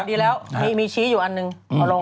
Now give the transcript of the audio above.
ดีแล้วมีชี้อยู่อันหนึ่งเอาลง